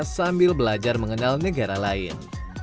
sambil belajar mengenal negara lain